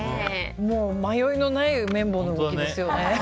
もう迷いのない麺棒の動きですよね。